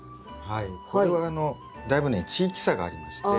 これはだいぶね地域差がありまして。